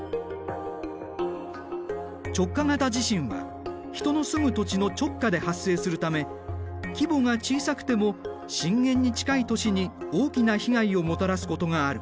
直下型地震は人の住む土地の直下で発生するため規模が小さくても震源に近い都市に大きな被害をもたらすことがある。